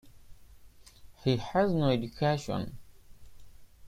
He has no education.